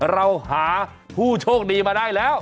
เราหาผู้โชคดีมาได้แล้ว